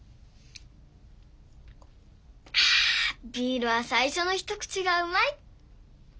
あビールは最初の一口がうまい。